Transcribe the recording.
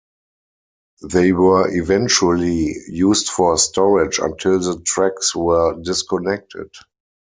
They were eventually used for storage until the tracks were disconnected.